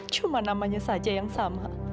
cuma namanya saja yang sama